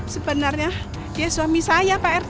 sebenarnya dia suami saya pak rt